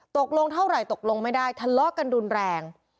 ตกลงเท่าไหร่ตกลงไม่ได้ทะเลาะกันรุนแรง